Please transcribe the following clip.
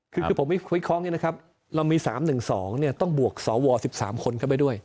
คือผมไม่วิเคราะห์อย่างนี้นะครับเรามี๓๑๒ต้องบวกสว๑๓คนเข้าไปด้วย